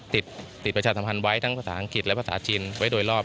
ติดประชาสัมพันธ์ไว้ทั้งภาษาอังกฤษและภาษาจีนไว้โดยรอบ